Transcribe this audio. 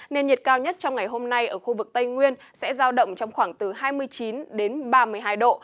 nền nhiệt cao nhất trong ngày hôm nay ở khu vực tây nguyên sẽ giao động trong khoảng từ hai mươi chín đến ba mươi hai độ